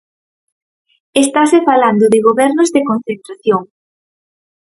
Estase falando de gobernos de concentración.